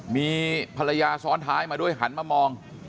มีภรรยาซ้อนท้ายมาด้วยหันมามอง